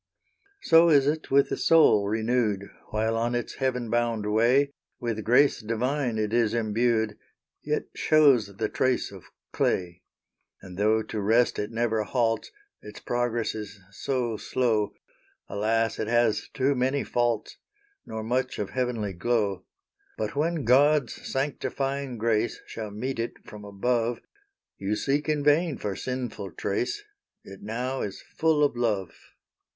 So is it with the soul renewed While on its heaven bound way, With grace divine it is embued, Yet shows the trace of clay. And though to rest it never halts, Its progress is so slow; Alas, it has too many faults, Nor much of heavenly glow. But when God's sanctifying grace Shall meet it from above, You seek in vain for sinful trace It now is full of love.